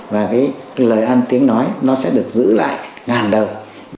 và cái lời ăn tiếng nói nó sẽ được giữ lại ngàn đời